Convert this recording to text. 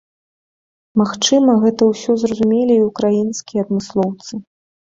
Магчыма, гэта ўсё зразумелі і ўкраінскія адмыслоўцы.